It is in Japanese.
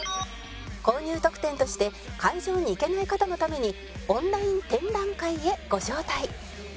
購入特典として会場に行けない方のためにオンライン展覧会へご招待